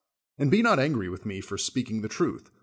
And be not angry with me for speaking the truth.